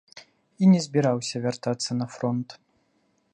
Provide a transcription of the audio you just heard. І не збіраўся вяртацца на фронт.